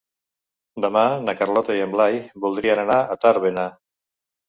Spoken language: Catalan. Demà na Carlota i en Blai voldrien anar a Tàrbena.